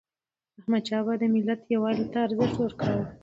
احمدشاه بابا د ملت یووالي ته ارزښت ورکاوه.